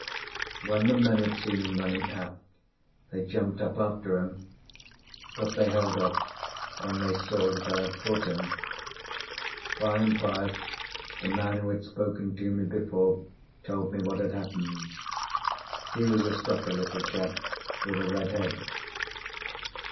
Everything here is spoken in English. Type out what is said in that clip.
When the men had seen him running aft, they jumped up after him, but they held off when they saw that I had caught him. By and by, the man who had spoken to me before told me what had happened. He was a stocky little chap, with a red head.